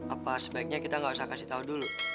apa sebaiknya kita gak usah kasih tau dulu